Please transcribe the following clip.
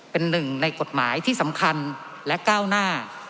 เป็นหนึ่งในกฎหมายที่สำคัญและก้าวหน้า